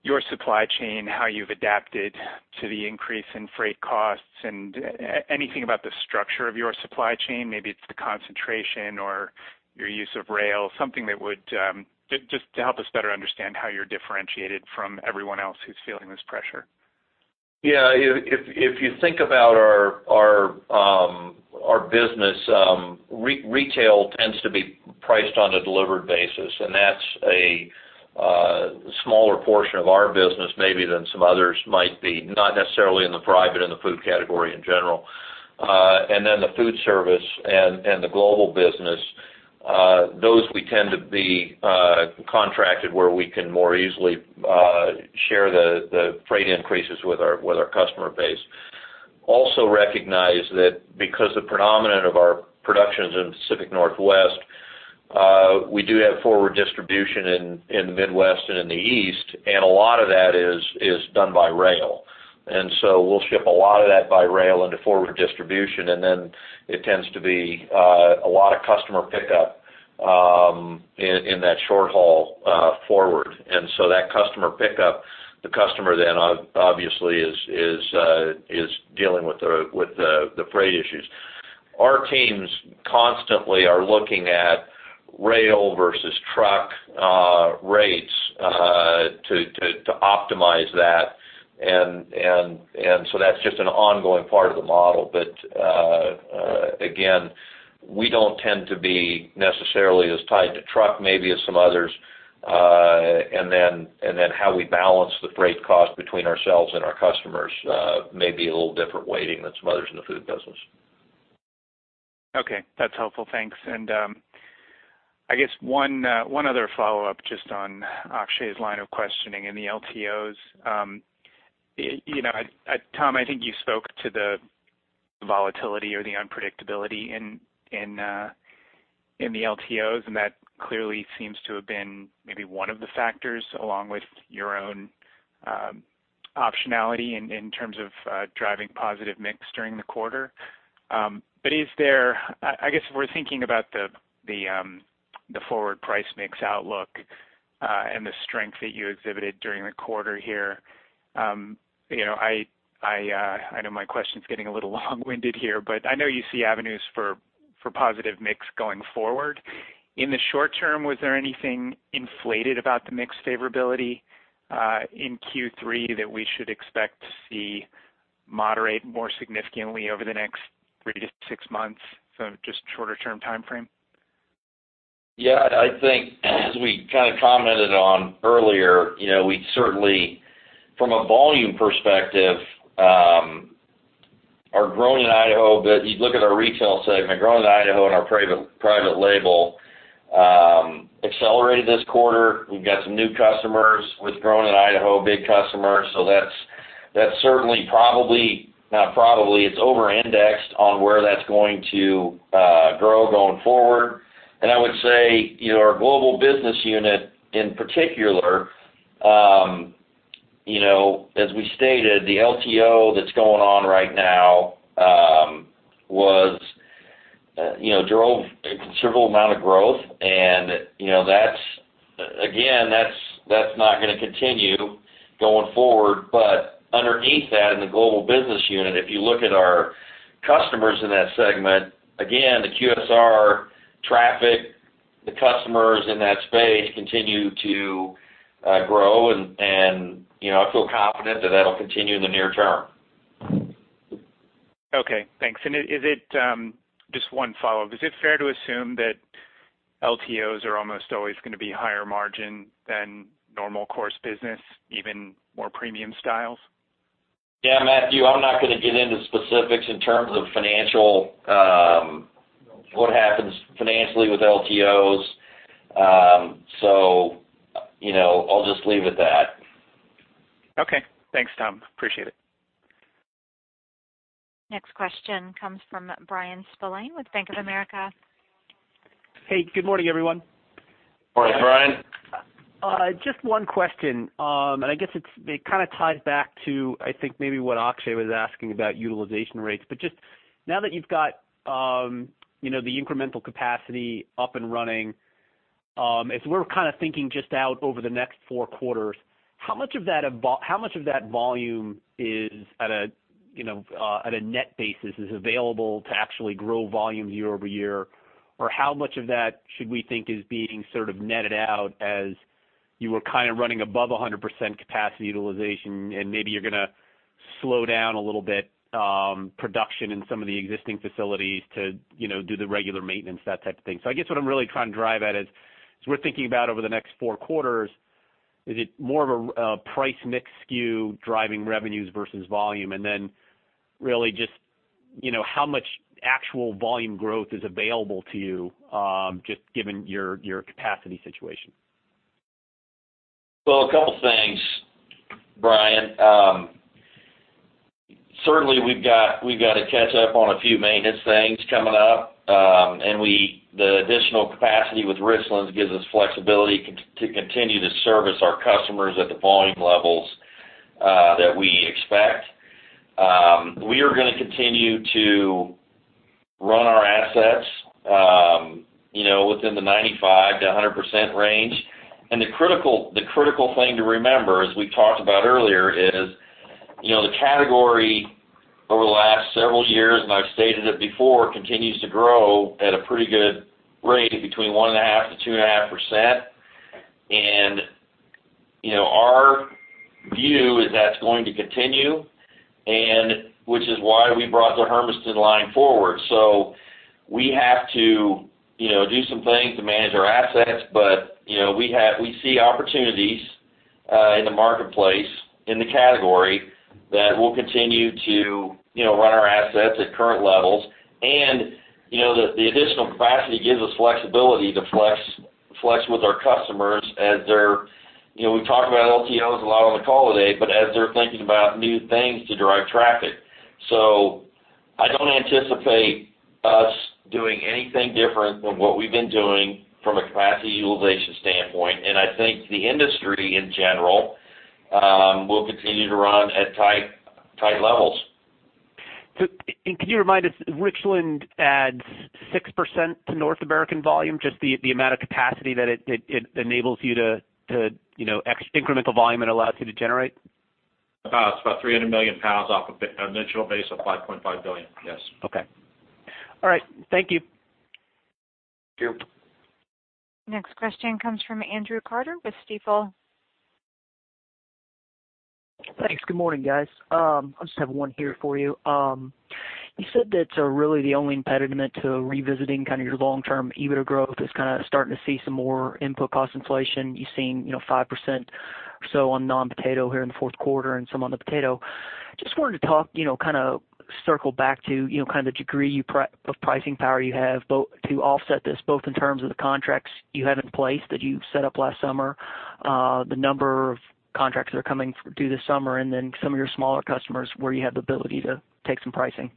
S8: your supply chain, how you've adapted to the increase in freight costs, and anything about the structure of your supply chain. Maybe it's the concentration or your use of rail, something just to help us better understand how you're differentiated from everyone else who's feeling this pressure.
S4: Yeah. If you think about our business, retail tends to be priced on a delivered basis, and that's a smaller portion of our business maybe than some others might be, not necessarily in the private, in the food category in general. The food service and the global business, those we tend to be contracted where we can more easily share the freight increases with our customer base. Also recognize that because the predominant of our production is in the Pacific Northwest, we do have forward distribution in the Midwest and in the East, and a lot of that is done by rail. We'll ship a lot of that by rail into forward distribution, and then it tends to be a lot of customer pickup in that short haul forward. That customer pickup, the customer then obviously is dealing with the freight issues. Our teams constantly are looking at rail versus truck rates to optimize that. That's just an ongoing part of the model. Again, we don't tend to be necessarily as tied to truck maybe as some others. How we balance the freight cost between ourselves and our customers may be a little different weighting than some others in the food business.
S8: Okay, that's helpful. Thanks. I guess one other follow-up just on Akshay's line of questioning in the LTOs. Tom, I think you spoke to the volatility or the unpredictability in the LTOs. That clearly seems to have been maybe one of the factors along with your own optionality in terms of driving positive mix during the quarter. I guess if we're thinking about the forward price mix outlook and the strength that you exhibited during the quarter here, I know my question's getting a little long-winded here, but I know you see avenues for positive mix going forward. In the short term, was there anything inflated about the mix favorability in Q3 that we should expect to see moderate more significantly over the next three to six months, so just shorter term timeframe?
S3: I think as we kind of commented on earlier, we certainly, from a volume perspective, are Grown in Idaho. You look at our retail segment, Grown in Idaho and our private label accelerated this quarter. We've got some new customers with Grown in Idaho, big customers. That's certainly, it's over-indexed on where that's going to grow going forward. I would say, our global business unit in particular, as we stated, the LTO that's going on right now drove a considerable amount of growth. Again, that's not going to continue going forward. Underneath that, in the global business unit, if you look at our customers in that segment, again, the QSR traffic, the customers in that space continue to grow, and I feel confident that that'll continue in the near term.
S8: Okay, thanks. Just one follow-up. Is it fair to assume that LTOs are almost always going to be higher margin than normal course business, even more premium styles?
S3: Matthew, I'm not going to get into specifics in terms of what happens financially with LTOs. I'll just leave it that.
S8: Okay. Thanks, Tom. Appreciate it.
S1: Next question comes from Bryan Spillane with Bank of America.
S9: Hey, good morning, everyone.
S3: Morning, Bryan.
S9: I guess it kind of ties back to, I think, maybe what Akshay Jagdale was asking about utilization rates. Just now that you've got the incremental capacity up and running, as we're kind of thinking just out over the next four quarters, how much of that volume is at a net basis is available to actually grow volume year-over-year? How much of that should we think is being sort of netted out as you were kind of running above 100% capacity utilization, and maybe you're going to slow down a little bit production in some of the existing facilities to do the regular maintenance, that type of thing? I guess what I'm really trying to drive at is, as we're thinking about over the next four quarters, is it more of a price mix SKU driving revenues versus volume? Really just how much actual volume growth is available to you, just given your capacity situation?
S3: Well, a couple things, Bryan. Certainly, we've got to catch up on a few maintenance things coming up. The additional capacity with Richland gives us flexibility to continue to service our customers at the volume levels that we expect. We are going to continue to run our assets within the 95%-100% range. The critical thing to remember, as we talked about earlier, is the category over the last several years, and I've stated it before, continues to grow at a pretty good rate of between 1.5%-2.5%. Our view is that's going to continue, which is why we brought the Hermiston line forward. We have to do some things to manage our assets, but we see opportunities in the marketplace, in the category, that we'll continue to run our assets at current levels. The additional capacity gives us flexibility to flex with our customers as they're We've talked about LTOs a lot on the call today, but as they're thinking about new things to drive traffic. I don't anticipate us doing anything different than what we've been doing from a capacity utilization standpoint. I think the industry, in general, will continue to run at tight levels.
S9: Can you remind us, Richland adds 6% to North American volume? Just incremental volume it allows you to generate?
S3: About 300 million pounds off of an initial base of 5.5 billion, yes.
S9: Okay. All right. Thank you.
S3: Thank you.
S1: Next question comes from Andrew Carter with Stifel.
S10: Thanks. Good morning, guys. I just have one here for you. You said that really the only impediment to revisiting kind of your long-term EBITDA growth is kind of starting to see some more input cost inflation. You're seeing 5% on non-potato here in the fourth quarter and some on the potato. Just wanted to talk, kind of circle back to, kind of the degree of pricing power you have to offset this, both in terms of the contracts you have in place that you set up last summer, the number of contracts that are coming due this summer, and then some of your smaller customers where you have the ability to take some pricing.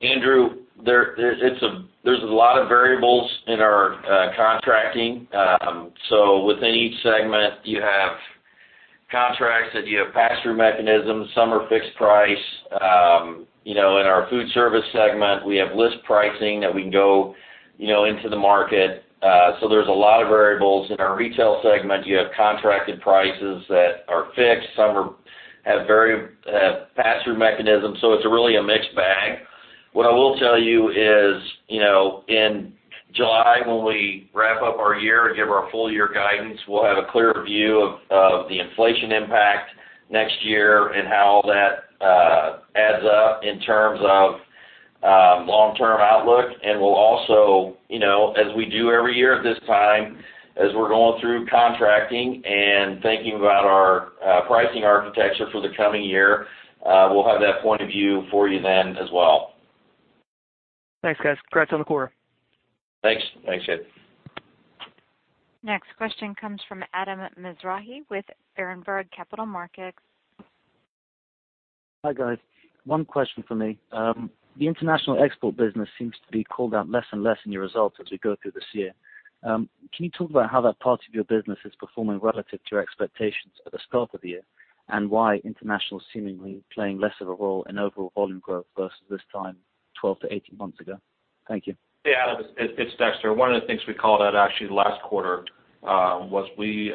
S3: Andrew, there is a lot of variables in our contracting. Within each segment, you have contracts that you have pass-through mechanisms. Some are fixed price. In our Foodservice segment, we have list pricing that we can go into the market. There is a lot of variables. In our Retail segment, you have contracted prices that are fixed. Some have pass-through mechanisms. It is really a mixed bag. What I will tell you is, in July when we wrap up our year and give our full-year guidance, we will have a clearer view of the inflation impact next year and how all that adds up in terms of long-term outlook. We will also, as we do every year at this time, as we are going through contracting and thinking about our pricing architecture for the coming year, we will have that point of view for you then as well.
S10: Thanks, guys. Congrats on the quarter.
S3: Thanks. Thanks, Andrew.
S1: Next question comes from Adam Mizrahi with Berenberg Capital Markets.
S11: Hi, guys. One question from me. The international export business seems to be called out less and less in your results as we go through this year. Can you talk about how that part of your business is performing relative to your expectations at the start of the year, and why international seemingly playing less of a role in overall volume growth versus this time 12 to 18 months ago? Thank you.
S2: Hey, Adam, it's Dexter. One of the things we called out actually last quarter was we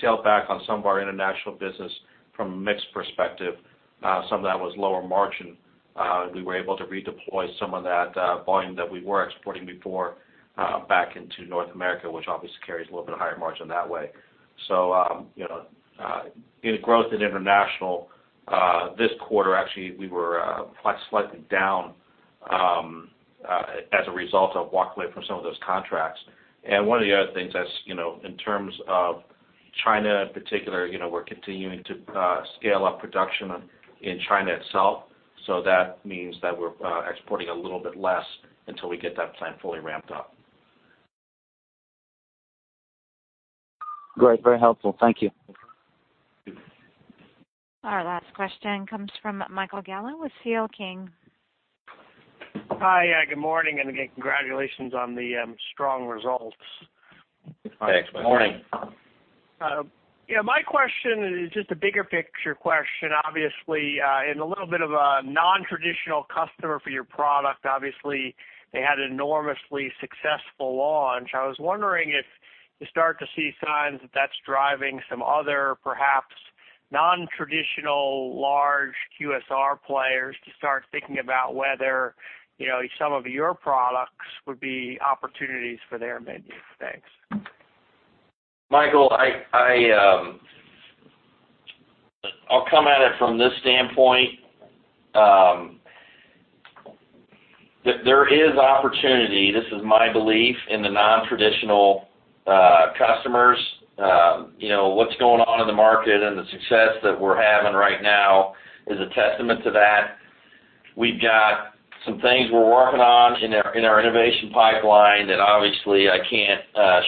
S2: tailed back on some of our international business from a mix perspective. Some of that was lower margin. We were able to redeploy some of that volume that we were exporting before back into North America, which obviously carries a little bit higher margin that way. Growth in international this quarter, actually, we were slightly down as a result of walking away from some of those contracts. One of the other things in terms of China in particular, we're continuing to scale up production in China itself. That means that we're exporting a little bit less until we get that plant fully ramped up.
S11: Great. Very helpful. Thank you.
S3: Thank you.
S1: Our last question comes from Michael Gallo with CL King.
S12: Hi. Good morning. Again, congratulations on the strong results.
S3: Thanks, Michael. Morning.
S12: My question is just a bigger picture question, obviously, and a little bit of a non-traditional customer for your product. Obviously, they had an enormously successful launch. I was wondering if you start to see signs that that's driving some other perhaps non-traditional large QSR players to start thinking about whether some of your products would be opportunities for their menu. Thanks.
S3: Michael, I'll come at it from this standpoint. That there is opportunity, this is my belief, in the non-traditional customers. What's going on in the market and the success that we're having right now is a testament to that. We've got some things we're working on in our innovation pipeline that obviously I can't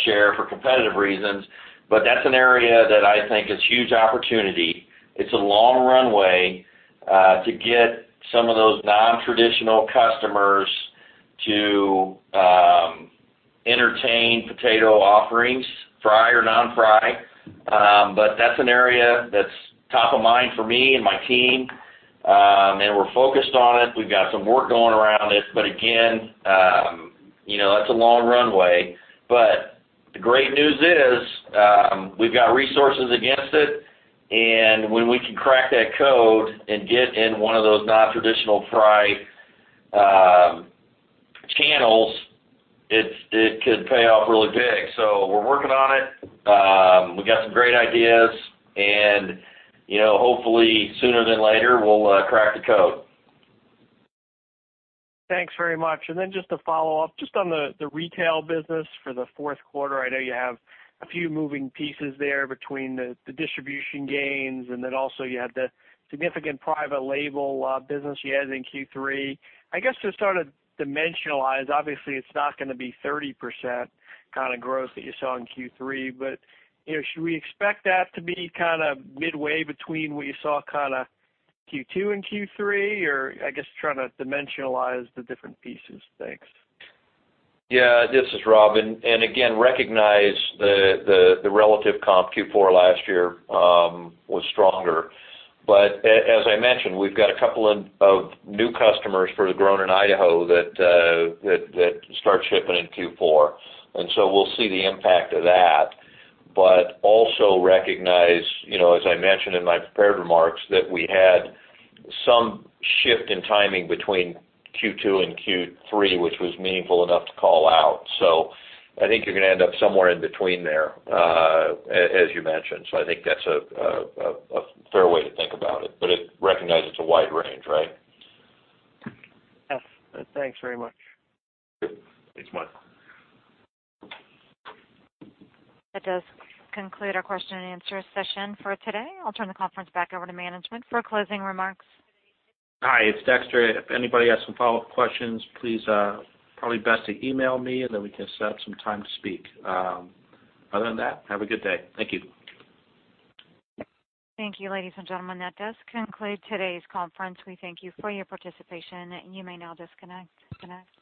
S3: share for competitive reasons, but that's an area that I think is huge opportunity. It's a long runway to get some of those non-traditional customers to entertain potato offerings, fry or non-fry. That's an area that's top of mind for me and my team. We're focused on it. We've got some work going around it, but again, that's a long runway. The great news is we've got resources against it, and when we can crack that code and get in one of those non-traditional fry channels, it could pay off really big. We're working on it. We've got some great ideas, and hopefully sooner than later, we'll crack the code.
S12: Thanks very much. Just to follow up, just on the retail business for the fourth quarter, I know you have a few moving pieces there between the distribution gains, and then also you have the significant private label business you had in Q3. I guess to sort of dimensionalize, obviously it's not going to be 30% kind of growth that you saw in Q3, should we expect that to be kind of midway between what you saw Q2 and Q3, or I guess trying to dimensionalize the different pieces? Thanks.
S4: Yeah. This is Rob. Again, recognize the relative comp Q4 last year was stronger. As I mentioned, we've got a couple of new customers for the Grown in Idaho that start shipping in Q4. We'll see the impact of that. Also recognize as I mentioned in my prepared remarks, that we had some shift in timing between Q2 and Q3, which was meaningful enough to call out. I think you're going to end up somewhere in between there as you mentioned. I think that's a fair way to think about it, recognize it's a wide range, right?
S12: Yes. Thanks very much.
S4: Thanks, Mike.
S1: That does conclude our question and answer session for today. I'll turn the conference back over to management for closing remarks.
S2: Hi, it's Dexter. If anybody has some follow-up questions, please, probably best to email me, and then we can set up some time to speak. Other than that, have a good day. Thank you.
S1: Thank you, ladies and gentlemen. That does conclude today's conference. We thank you for your participation. You may now disconnect.